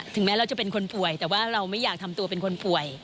แม้เราจะเป็นคนป่วยแต่ว่าเราไม่อยากทำตัวเป็นคนป่วย